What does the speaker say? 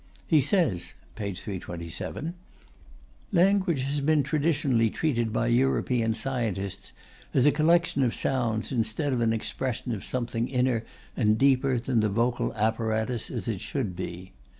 He says (p. 327): Language has been traditionally treated by European scientists as a collection of sounds instead of an expression of something inner and deeper than the vocal apparatus as it should be.